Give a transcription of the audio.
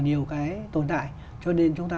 nhiều cái tồn tại cho nên chúng ta